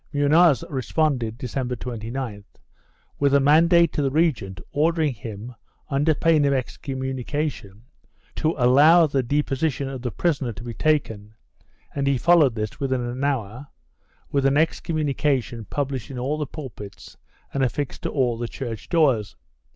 Munoz responded, December 29th, with a mandate to the regent ordering him, under pain of excommunication, to allow the deposition of the prisoner to be taken and he followed this, within an hour, with an excommuni cation published in all the pulpits and affixed to all the church doors.